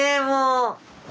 もう。